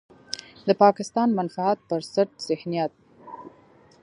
د پاکستان منفعت پرست ذهنيت.